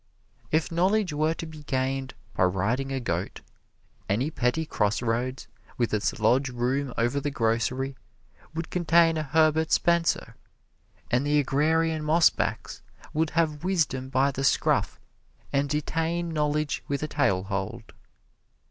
If knowledge were to be gained by riding a goat, any petty crossroads, with its lodge room over the grocery, would contain a Herbert Spencer; and the agrarian mossbacks would have wisdom by the scruff and detain knowledge with a tail hold.